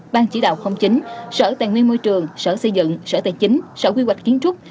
ban chỉ đạo chín sở tài nguyên môi trường sở xây dựng sở tài chính sở quy hoạch kiến trúc